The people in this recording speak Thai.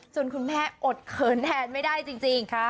คุณแม่อดเขินแทนไม่ได้จริง